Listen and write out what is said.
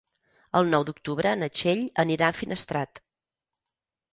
El nou d'octubre na Txell anirà a Finestrat.